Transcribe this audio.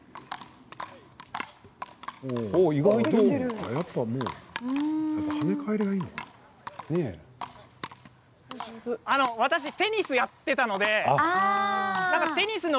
意外と跳ね返りがいいのかな？